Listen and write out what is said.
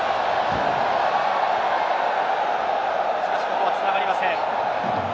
ここは、つながりません。